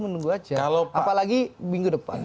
menunggu aja apalagi minggu depan